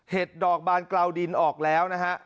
เห็ดดอกบานกล่าวดินออกแล้วนะครับ